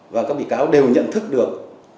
và các bị cáo đều nhận thức được